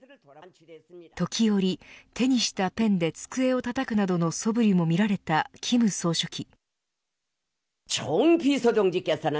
時折、手にしたペンで机をたたくなどのそぶりも見られた金総書記。